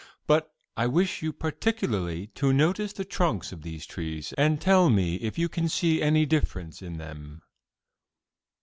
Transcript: But I wish you particularly to notice the trunks of these trees and tell me if you can see any difference in them."